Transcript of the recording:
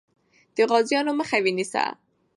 د غازیانو مخه ونیسه.